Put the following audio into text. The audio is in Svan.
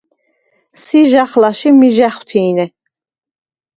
– ჟი ს’ა̈ხლა̄̈შ ი ჟი მ’ა̈ხუ̂თი̄ნე.